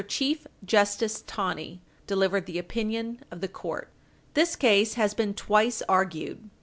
Chief Justice TANEY delivered the opinion of the court. This case has been twice argued.